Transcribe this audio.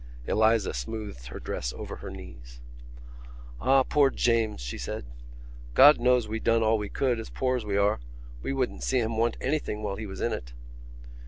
Eliza smoothed her dress over her knees. "Ah, poor James!" she said. "God knows we done all we could, as poor as we are—we wouldn't see him want anything while he was in it."